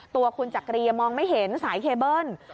ตัวคุณจักรีมองไม่เห็นสายเคเบิ้ล